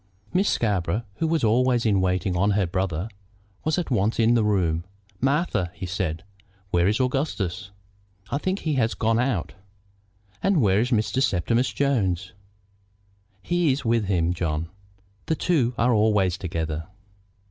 Miss Scarborough, who was always in waiting on her brother, was at once in the room. "Martha," he said, "where is Augustus?" "I think he has gone out." "And where is Mr. Septimus Jones?" "He is with him, John. The two are always together."